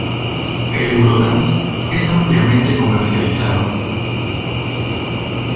El eurodance es ampliamente comercializado.